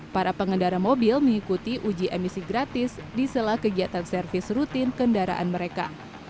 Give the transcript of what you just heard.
para pengendara mobil mengikuti uji emisi gratis di sela kegiatan servis rutin kendaraan mereka